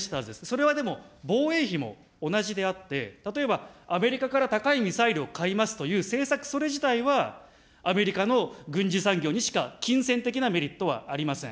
それはでも、防衛費も同じであって、例えばアメリカから高いミサイルを買いますという政策それ自体は、アメリカの軍事産業にしか金銭的なメリットはありません。